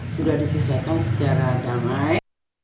sudah diselesaikan secara damai